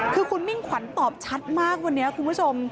คือคุณมิ่งขวัญตอบชัดมากวันนี้คุณผู้ชม